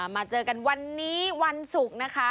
มาเจอกันวันนี้วันศุกร์นะคะ